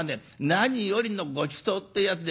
何よりのごちそうっていうやつで。